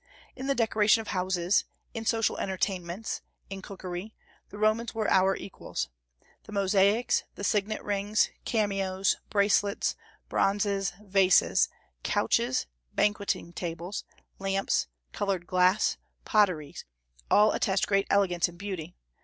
In the decoration of houses, in social entertainments, in cookery, the Romans were our equals. The mosaics, the signet rings, cameos, bracelets, bronzes, vases, couches, banqueting tables, lamps, colored glass, potteries, all attest great elegance and beauty.